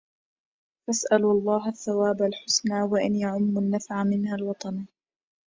فأسأل الله الثواب الحسنَا وان يَعُمُّ النفعَ منها الوطنَا